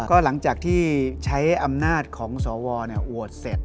ก็หลังจากที่ใช้อำนาจของสวโหวตเสร็จ